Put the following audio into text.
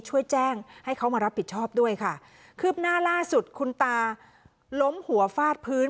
ช่วยแจ้งให้เขามารับผิดชอบด้วยค่ะคืบหน้าล่าสุดคุณตาล้มหัวฟาดพื้น